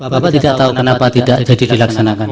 bapak tidak tahu kenapa tidak jadi dilaksanakan